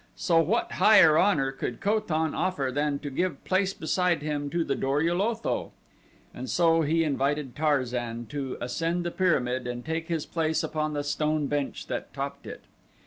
So what higher honor could Ko tan offer than to give place beside him to the Dor ul Otho? And so he invited Tarzan to ascend the pyramid and take his place upon the stone bench that topped it.